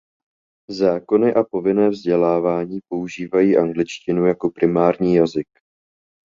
Zákony a povinné vzdělávání používají angličtinu jako primární jazyk.